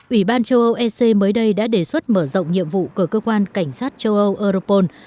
ủy ban châu âu ec mới đây đã đề xuất mở rộng nhiệm vụ của cơ quan cảnh sát châu âu europol